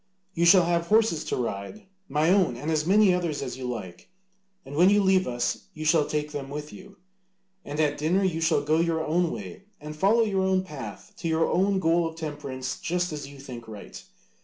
You shall have horses to ride, my own and as many others as you like, and when you leave us you shall take them with you. And at dinner you shall go your own away and follow your own path to your own goal of temperance just as you think right.